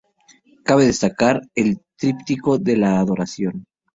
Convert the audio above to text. Cabe destacar el "Tríptico de la Adoración".